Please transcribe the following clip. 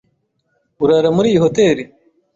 Urara muri iyi hoteri?